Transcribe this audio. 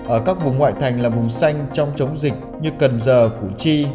ở các vùng ngoại thành là vùng xanh trong chống dịch như cần giờ củ chi